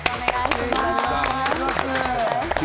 よろしくお願いします。